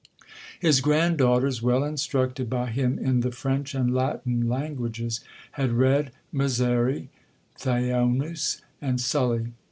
'His grand daughters, well instructed by him in the French and Latin languages, had read Mezeray, Thuanus, and Sully.